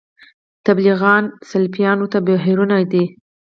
تبلیغیان سلفیان ورته بهیرونه دي